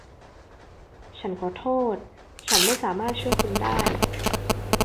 ฉันขอโทษ ฉันไม่สามารถช่วยคุณได้